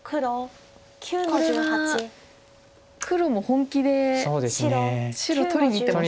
これは黒も本気で白を取りにいってますか？